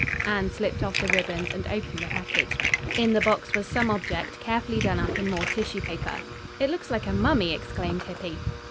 Anne slipped off the ribbons and opened the package. In the box was some object, carefully done up in more tissue paper. "It looks like a mummy," exclaimed Hippy.